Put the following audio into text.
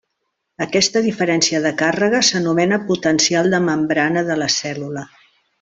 Aquesta diferència de càrrega s'anomena potencial de membrana de la cèl·lula.